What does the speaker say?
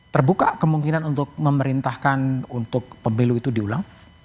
terbuka kemungkinan untuk memerintahkan untuk pemilu itu diulang